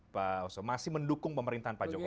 pak oso masih mendukung pemerintahan pak jokowi